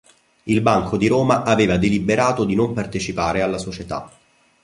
Il Banco di Roma aveva deliberato di non partecipare alla società.